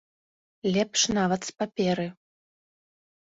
Лепш нават з паперы.